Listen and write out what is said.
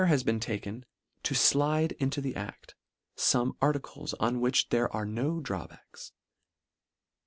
has been taken to Aide into the ad: m fome ar ticles on which there are no drawbacks.